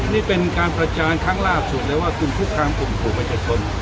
นี่เป็นการประจานทั้งลาภสุทธิ์เลยว่าคุณพุทธความอุ่มขู่ไปจากคน